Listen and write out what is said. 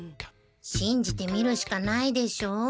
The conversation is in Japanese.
しんじてみるしかないでしょ。